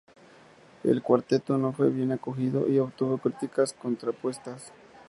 El cuarteto no fue bien acogido y obtuvo críticas contrapuestas.